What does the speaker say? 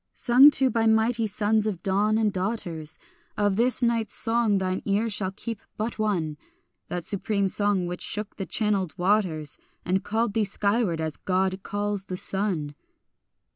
Sung to by mighty sons of dawn and daughters, Of this night's songs thine ear shall keep but one; That supreme song which shook the channelled waters, And called thee skyward as God calls the sun.